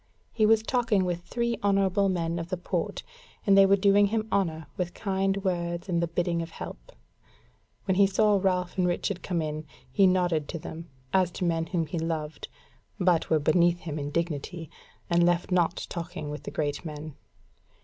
He was talking with three honourable men of the Port, and they were doing him honour with kind words and the bidding of help. When he saw Ralph and Richard come in, he nodded to them, as to men whom he loved, but were beneath him in dignity, and left not talking with the great men.